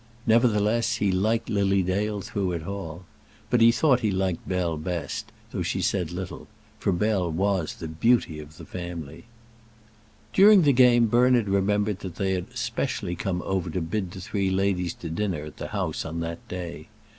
Nevertheless, he liked Lily Dale through it all. But he thought that he liked Bell the best, though she said little; for Bell was the beauty of the family. During the game Bernard remembered that they had especially come over to bid the three ladies to dinner at the house on that day.